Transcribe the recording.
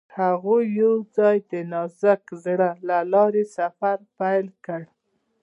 هغوی یوځای د نازک زړه له لارې سفر پیل کړ.